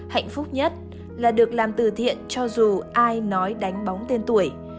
hạnh phúc nhất là được làm từ thiện cho dù ai nói đánh bóng tên tuổi